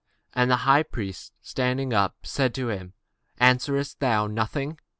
And the high priest arose, and said unto him, Answerest thou nothing?